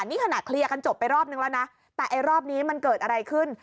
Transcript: นี่ขณะเคลียร์กันจบไปรอบนึงแล้วนะแต่ไอ้รอบนี้มันเกิดอะไรขึ้น